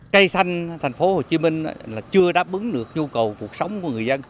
cây xanh thành phố hồ chí minh chưa đáp ứng được nhu cầu cuộc sống của người dân